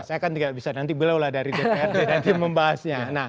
saya kan tidak bisa nanti beliau lah dari dprd nanti membahasnya